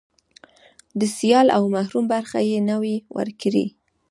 د سايل او محروم برخه يې نه وي ورکړې.